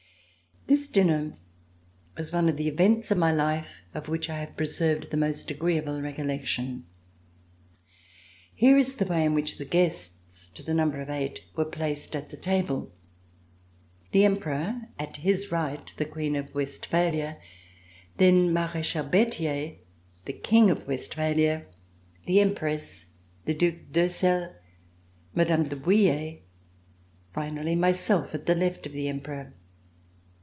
' This dinner was one of the events of my life of which I have preserved the most agreeable recollec tion. Here is the way in which the guests, to the number of eight, were placed at the table: The Emperor; at his right, the Queen of Westphalia, then Marechal Berthier, the King of Westphalia, the Empress, the Due d'Ursel, Mme. de Bouille, finally myself, at the left of the Emperor.